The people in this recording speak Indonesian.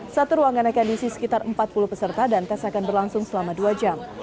satu ruangan akan diisi sekitar empat puluh peserta dan tes akan berlangsung selama dua jam